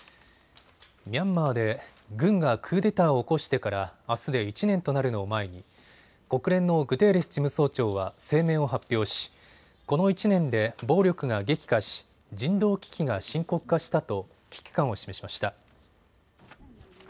ミャンマーで軍がクーデターを起こしてからあすで１年となるのを前に国連のグテーレス事務総長は声明を発表しこの１年で暴力が激化し人道危機が深刻化したと危機感を示しました。